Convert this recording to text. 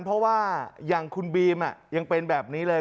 เพราะว่าอย่างคุณบีมยังเป็นแบบนี้เลย